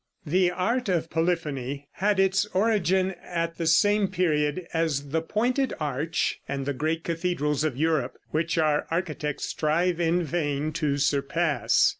The art of polyphony had its origin at the same period as the pointed arch and the great cathedrals of Europe, which our architects strive in vain to surpass.